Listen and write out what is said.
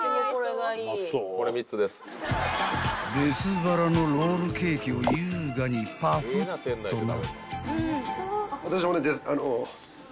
［別腹のロールケーキを優雅にパフッとな］